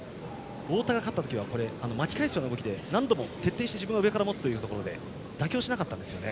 太田が勝った時は巻き返すような動きで徹底して自分から持つということで妥協しなかったんですよね。